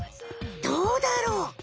どうだろう？